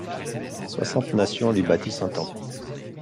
Soixante nations lui bâtissent un temple ;